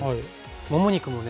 もも肉もね